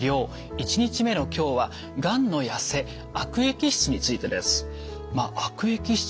１日目の今日は「がんのやせ悪液質」についてです。「悪液質」